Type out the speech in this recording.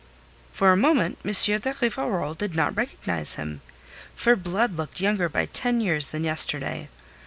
For a moment M. de Rivarol did not recognize him. For Blood looked younger by ten years than yesterday.